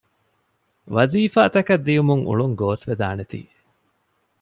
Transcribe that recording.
ވަޒީފާތަކަށް ދިއުމުން އުޅުން ގޯސްވެދާނެތީ